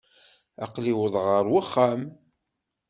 Aql-i uwḍeɣ ɣer uxxam.